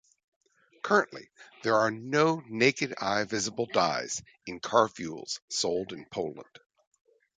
Currently there are no naked-eye visible dyes in car fuels sold in Poland.